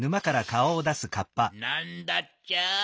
なんだっちゃ？